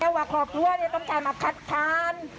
แค่ว่าครอบครัวเนี่ยต้องการมาคัดคาน